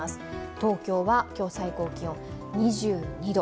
東京は今日、最高気温２２度。